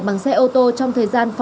bằng xe ô tô trong thời gian